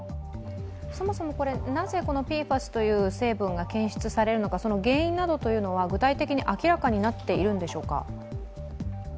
そもそもこれ、なぜこのＰＦＡＳという成分が検出されるのか、その原因などは、具体的に明らかになっているんでしょうか。